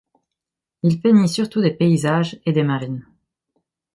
Il peignit surtout des paysages et des marines.